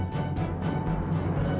tante sadar tante